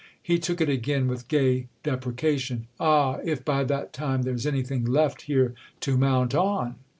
He took it again with gay deprecation. "Ah, if by that time there's anything left here to mount on!"